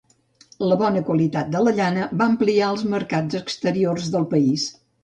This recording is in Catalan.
La bona qualitat de la llana va ampliar els mercats exteriors del país.